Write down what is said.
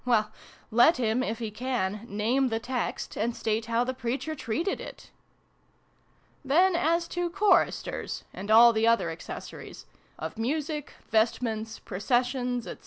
Well, let him, if he can, name the text, and state how the preacher treated it ! Then, as to ' Choristers,' and all the other accessories of music, vestments, processions, &c.